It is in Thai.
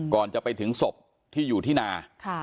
ก่อนจะไปถึงศพที่อยู่ที่นา